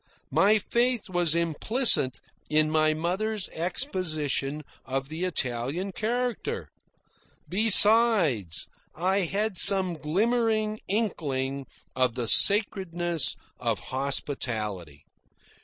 My faith was implicit in my mother's exposition of the Italian character. Besides, I had some glimmering inkling of the sacredness of hospitality.